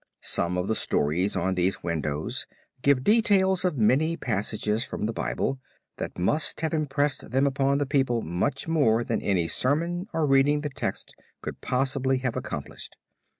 Some of the stories on these windows gave details of many passages from the Bible, that must have impressed them upon the people much more than any sermon or reading of the text could possibly have accomplished.